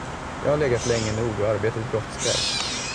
Jag har legat länge nog, och arbetet brådskar.